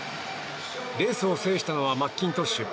レースを制したのはマッキントッシュ。